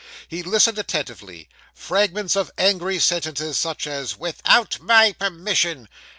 He listened attentively. Fragments of angry sentences such as, 'Without my permission!